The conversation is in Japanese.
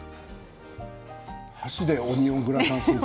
箸でオニオングラタンスープ。